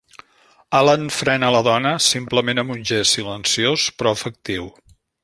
Allan frena la dona, simplement amb un gest silenciós, però efectiu.